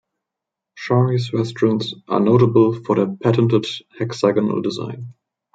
Shari's restaurants are notable for their patented hexagonal design.